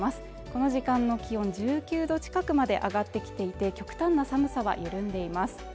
この時間の気温１９度近くまで上がってきていて極端な寒さは緩んでいます